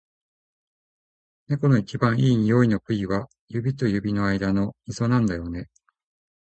猫の一番いい匂いの部位は、指と指の間のみぞなんだよね。